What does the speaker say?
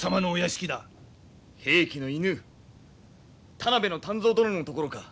平家の犬田辺の湛増殿のところか？